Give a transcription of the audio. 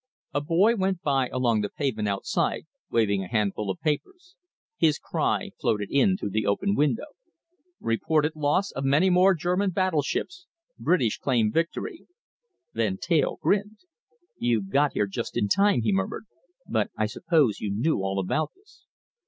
A boy went by along the pavement outside waving a handful of papers. His cry floated in through the open window: REPORTED LOSS OF MANY MORE GERMAN BATTLESHIPS. BRITISH CLAIM VICTORY. Van Teyl grinned. "You got here just in time," he murmured, "but I suppose you knew all about this."